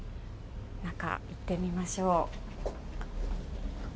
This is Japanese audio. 中、行ってみましょう。